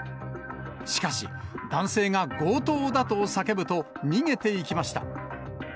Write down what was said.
しかし、男性が強盗だと叫ぶと、逃げていきました。